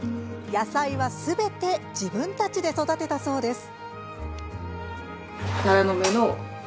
野菜は、すべて自分たちで育てたそうです。